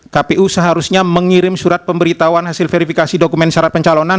kpu seharusnya mengirim surat pemberitahuan hasil verifikasi dokumen syarat pencalonan